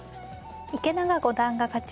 池永五段が勝ち